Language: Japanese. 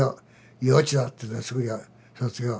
幼稚だっていうんですぐ卒業。